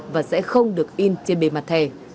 và sẽ không được in trên bề mặt thẻ